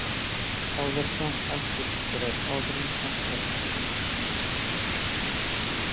ئالدىرىساڭ ئاش پېتىپ بېرەي، ئالدىرىمىساڭ چاي.